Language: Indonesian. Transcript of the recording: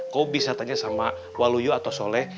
kamu bisa tanya sama waluyu atau soleh